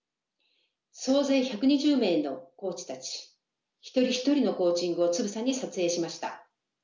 総勢１２０名のコーチたち一人一人のコーチングをつぶさに撮影しました。